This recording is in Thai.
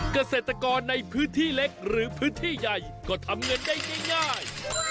เกษตรกรในพื้นที่เล็กหรือพื้นที่ใหญ่ก็ทำเงินได้ง่าย